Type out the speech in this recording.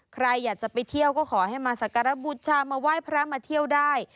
ใครอยากจะไปเที่ยวก็ขอให้มาสักการบูชามาไหว้พระมาเที่ยวได้